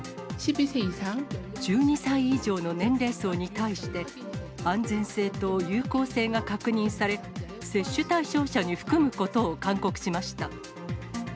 １２歳以上の年齢層に対して、安全性と有効性が確認され、接種対象者に含むことを勧告しました。